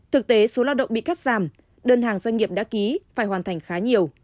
thực tế số lao động bị cắt giảm đơn hàng doanh nghiệp đã ký phải hoàn thành khá nhiều